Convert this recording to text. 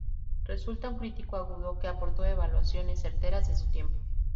Resulta un crítico agudo, que aportó evaluaciones certeras de su tiempo.